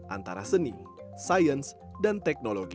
antara seni sains dan teknologi